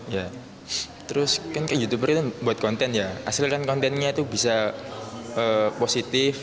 ya terus kan kayak youtuber itu buat konten ya asalkan kontennya itu bisa positif